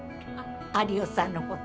有吉さんのこと。